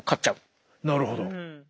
なるほど。